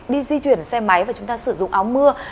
đi di chuyển xe máy và chúng ta sử dụng áo mưa